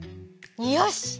よし！